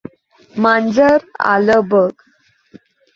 मांजर आलं बघ.